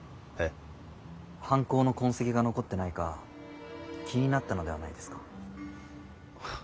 犯行の痕跡が残ってないか気になったのではないですか？